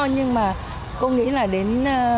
nhưng mà cô nghĩ là đến